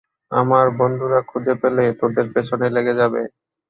আমার বন্ধুরা খুঁজে পেলে তোদের পেছনে লেগে যাবে।